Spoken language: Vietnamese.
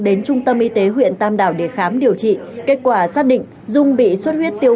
đến trung tâm y tế huyện tam đảo để khám điều trị kết quả xác định dung bị suất huyết tiêu